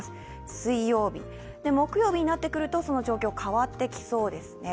水曜日、木曜日になってくると、その状況は変わってきそうですね。